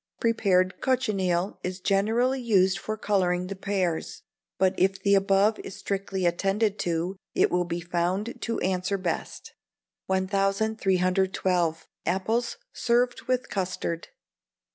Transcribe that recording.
Prepared cochineal is generally used for colouring the pears; but if the above is strictly attended to, it will be found to answer best. 1312. Apples served with Custard.